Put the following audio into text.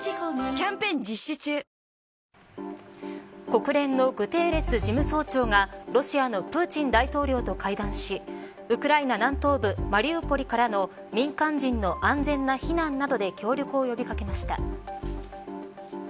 国連のグテーレス事務総長がロシアのプーチン大統領と会談しウクライナ南東部マリウポリからの民間人の安全な避難などで協力を呼び掛けました。